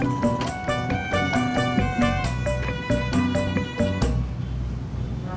inti dulu bereike engkau